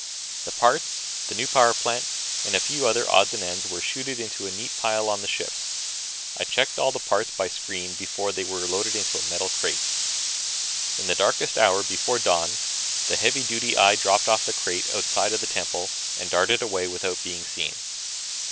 The parts, the new power plant and a few other odds and ends were chuted into a neat pile on the ship. I checked all the parts by screen before they were loaded in a metal crate. In the darkest hour before dawn, the heavy duty eye dropped the crate outside the temple and darted away without being seen.